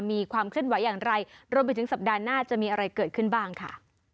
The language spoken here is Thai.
มีความเคลื่อนไหวอย่างไรรวมไปถึงสัปดาห์หน้าจะมีอะไรเกิดขึ้นบ้างค่ะ